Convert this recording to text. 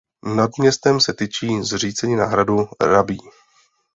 Nad městem se tyčí zřícenina hradu Rabí.